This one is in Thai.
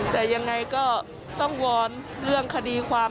แต่ยังไงก็ต้องวอนเรื่องคดีความ